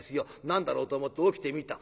何だろうと思って起きてみた。